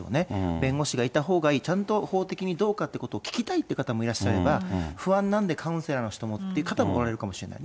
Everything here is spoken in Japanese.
弁護士がいたほうがいい、ちゃんと法的にどうかってことを聞きたいという方もいらっしゃれば、不安なんでカウンセラーの人もっていう方もおられるかもしれない。